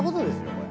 これ。